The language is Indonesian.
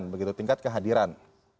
begitu tingkat kehadiran